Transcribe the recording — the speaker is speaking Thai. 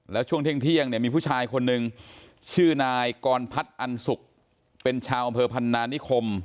แล้วช่วงเที่ยงเนี่ยมีผู้ชายคนหนึ่งชื่อนายกรพัฒน์อันสุกเป็นชาวอำเภอพันนานิคม